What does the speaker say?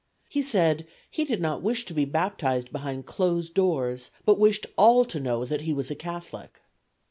He said he did not wish to be baptized behind closed doors, but wished all to know that he was a Catholic.